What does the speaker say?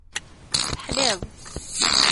Teḥliḍ.